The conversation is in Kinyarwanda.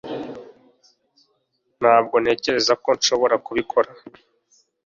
Ntabwo ntekereza ko nshobora kubikora